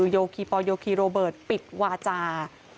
โยคีปอลโยคีโรเบิร์ตปิดวาจา